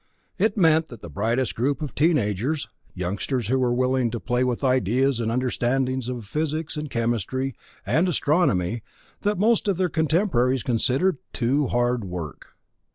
It meant the brightest group of teen agers, youngsters who were willing to play with ideas and understandings of physics and chemistry and astronomy that most of their contemporaries considered "too hard work."